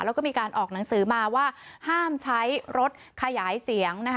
แล้วก็มีการออกหนังสือมาว่าห้ามใช้รถขยายเสียงนะคะ